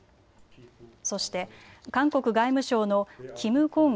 そして韓国外務省のキム・ゴン